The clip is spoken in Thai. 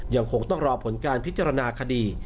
ยังคงต้องรอผลการพิจารณาคดี